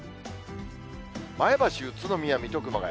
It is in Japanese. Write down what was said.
前橋、宇都宮、水戸、熊谷。